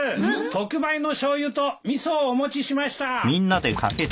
特売のしょうゆと味噌をお持ちしました。